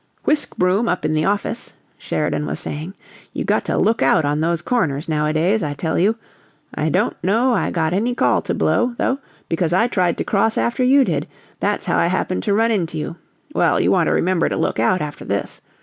"Whisk broom up in the office," Sheridan was saying. "You got to look out on those corners nowadays, I tell you. I don't know I got any call to blow, though because I tried to cross after you did. That's how I happened to run into you. Well, you want to remember to look out after this.